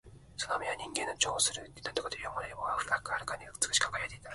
その眼は人間の珍重する琥珀というものよりも遥かに美しく輝いていた